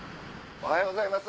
おはようございます。